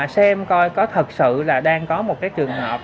xem coi có thật sự là đang có một cái trường hợp